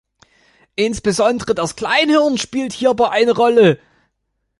Insbesondere das Kleinhirn spielt hierbei eine Rolle.